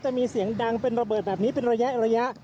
จะมีเสียงดังเป็นระเบิดแบบนี้เป็นระยะ